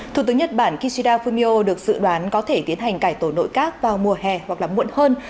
thủ tướng nhật bản kishida fumio được dự đoán có thể tiến hành cải tổ nội các vào mùa hè hoặc muộn hơn